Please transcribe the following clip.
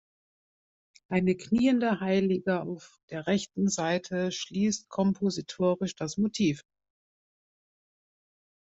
Eine kniende Heilige auf der rechten Seite schließt kompositorisch das Motiv.